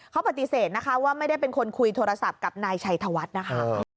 เขาปฏิเสธนะคะว่าไม่ได้เป็นคนคุยโทรศัพท์กับนายชัยธวัฒน์นะคะ